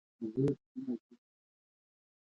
د یرغل کولو د نیت په باب د عقیدې اساس.